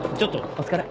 お疲れ。